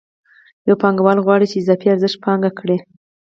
یو پانګوال غواړي چې اضافي ارزښت پانګه کړي